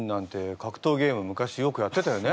格闘ゲーム昔よくやってたよね？